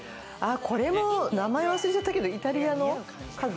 名前忘れちゃったけど、イタリアの家具。